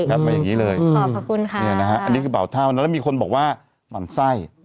แคปมาอย่างนี้เลยอันนี้คือเบาเท่านะครับแล้วมีคนบอกว่าหม่อนไส้